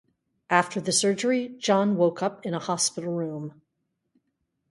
After the surgery, John woke up in a hospital room.